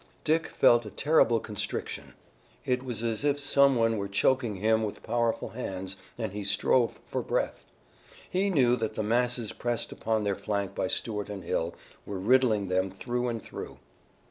Dick felt a terrible constriction. It was as if some one were choking him with powerful hands, and he strove for breath. He knew that the masses pressed upon their flank by Stuart and Hill, were riddling them through and through.